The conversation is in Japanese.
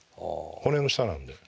骨の下なんで。